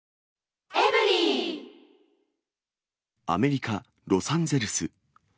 アメリカ・ロサンゼルス。